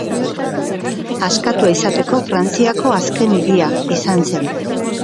Askatua izateko Frantziako azken hiria izan zen.